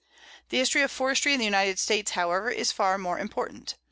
The history of forestry in the United States, however, is far more important.